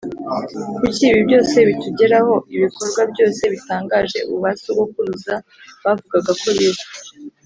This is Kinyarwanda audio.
kuki ibi byose bitugeraho Ibikorwa byose bitangaje u ba sogokuruza bavugaga ko bizwi